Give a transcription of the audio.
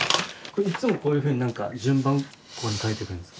いっつもこういうふうに何か順番こに描いてるんですか？